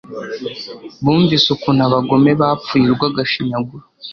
bumvise ukuntu abagome bapfuye urw'agashinyaguro